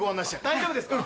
大丈夫ですか？